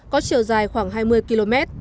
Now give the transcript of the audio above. có chiều dài khoảng hai mươi km